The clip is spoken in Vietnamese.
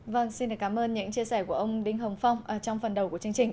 vâng xin cảm ơn những chia sẻ của ông đinh hồng phong trong phần đầu của chương trình